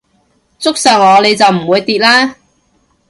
捉實我你就唔會跌啦